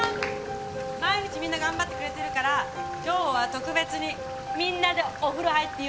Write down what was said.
毎日みんな頑張ってくれてるから今日は特別にみんなでお風呂入っていいわよ。